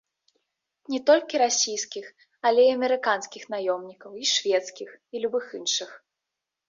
Не толькі расійскіх, але і амерыканскіх наёмнікаў, і шведскіх, і любых іншых.